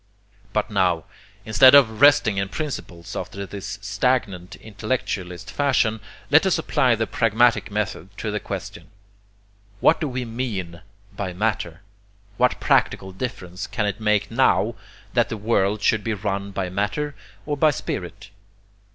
But now, instead of resting in principles after this stagnant intellectualist fashion, let us apply the pragmatic method to the question. What do we MEAN by matter? What practical difference can it make NOW that the world should be run by matter or by spirit?